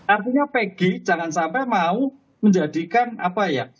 artinya pg jangan sampai mau menjadikan apa ya